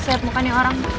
bisa bukannya orang